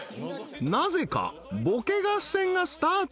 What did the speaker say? ［なぜかボケ合戦がスタート］